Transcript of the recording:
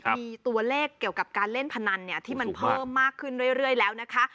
มีตัวเลขเกี่ยวกับการเล่นพนันที่มันเพิ่มมากขึ้นเรื่อยแล้วนะคะ